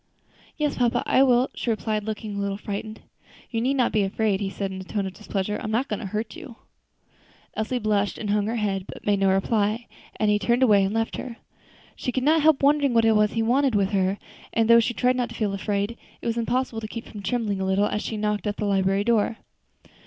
"Yes, papa, I will," she replied, looking a little frightened. "You need not be afraid," he said, in a tone of displeasure; "I am not going to hurt you." Elsie blushed and hung her head, but made no reply, and he turned away and left her. She could not help wondering what he wanted with her, and though she tried not to feel afraid, it was impossible to keep from trembling a little as she knocked at the library door.